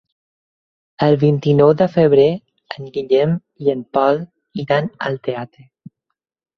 El vint-i-nou de febrer en Guillem i en Pol iran al teatre.